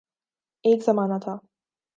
ایک زمانہ تھا